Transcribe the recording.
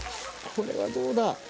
これはどうだ？